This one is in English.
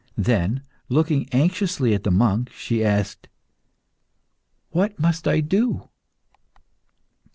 Then, looking anxiously at the monk, she asked "What must I do?"